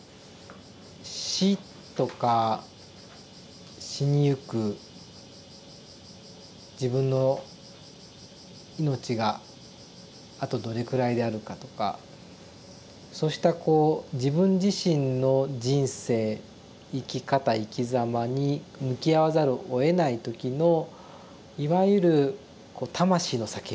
死とか死にゆく自分の命があとどれくらいであるかとかそうしたこう自分自身の人生生き方生きざまに向き合わざるをえない時のいわゆるこう魂の叫び。